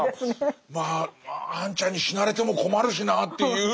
まああんちゃんに死なれても困るしなっていうその感じ。